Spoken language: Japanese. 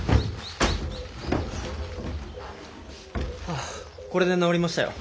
ああこれで直りましたよ。